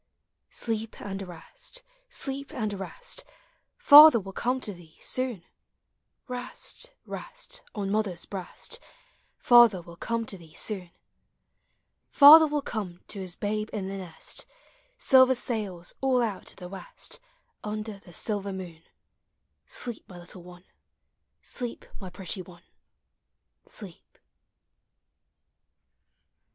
Sleep and rest, sleep and rest. Father will come to thee soon; Rest, rest, on mother's breast, Father will come to thee soon; 12 P0EU8 OF HOME. Father will come to his babe in the nest, Silver sails all out of the west Under the silver moon: Sleep, my little one, sleep, my pretty one, sleep.